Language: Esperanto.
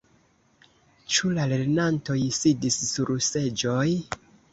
Ĉu la lernantoj sidis sur seĝoj?